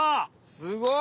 すごい！